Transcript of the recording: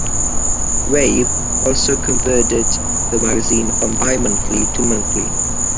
Rabe also converted the magazine from bi-monthly to monthly.